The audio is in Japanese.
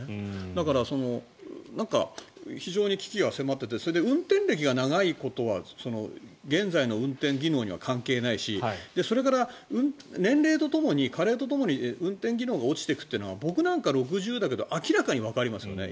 だから、非常に危機が迫っていてそれで、運転歴が長いことは現在の運転技能には関係ないしそれから年齢とともに加齢とともに運転技能が落ちていくっていうのは僕なんか６０だけど明らかにわかりますよね。